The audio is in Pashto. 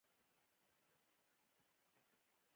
اوبه د وچکالۍ مخه نیسي.